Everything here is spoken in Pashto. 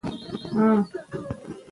په افغانستان کې د رسوب منابع شته.